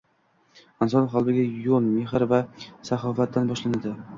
Inson qalbiga yo‘l mehr va saxovatdan boshlanadi